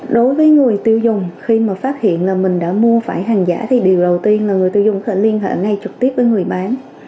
đối với người tiêu dùng khi mà phát hiện là mình đã mua phải hàng giả thì điều đầu tiên là người tiêu dùng có thể liên hệ ngay trực tiếp với người bán